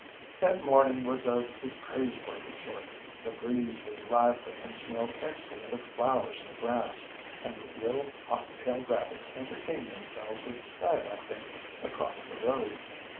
ŌĆ£That morning was of a praiseworthy sort. The breeze was lively, and smelled excellent of flowers and grass, and the little cottontail rabbits entertained themselves with skylarking across the road.